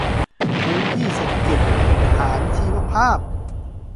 พื้นที่เศรษฐกิจฐานชีวภาพ